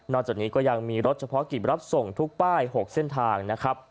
จากนี้ก็ยังมีรถเฉพาะกิจรับส่งทุกป้าย๖เส้นทางนะครับ